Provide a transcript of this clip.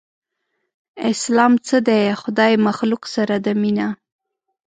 اسلام څه دی؟ خدای مخلوق سره ده مينه